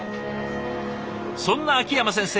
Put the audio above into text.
そんな秋山先生